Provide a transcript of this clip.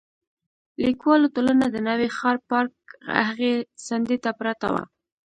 لیکوالو ټولنه د نوي ښار پارک هغې څنډې ته پرته وه.